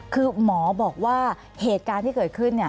คือหมอบอกว่าเหตุการณ์ที่เกิดขึ้น